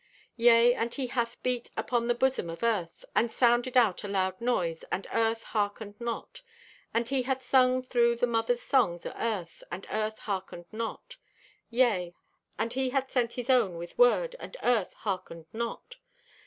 "Yea, and He hath beat upon the busom of Earth and sounded out a loud noise, and Earth harkened not. "And He hath sung thro' the mother's songs o' Earth, and Earth harkened not. "Yea, and He hath sent His own with word, and Earth harkened not.